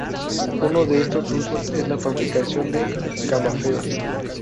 Uno de estos usos es la fabricación de camafeos.